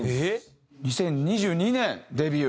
２０２２年デビュー。